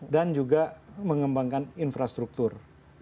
dan juga mengembangkan infrastruktur